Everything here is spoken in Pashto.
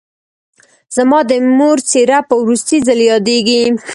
زما د مور څېره په وروستي ځل یادېږي